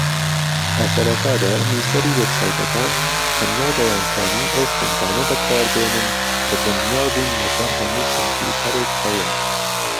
ەسەرەتادا نووسەری وێبسایتەکان تەنیا دەیانتوانی ئەو فۆنتانە بەکاربێنن کە دڵنیابوون لەسەر هەموو کۆمپیوتەرێک هەیە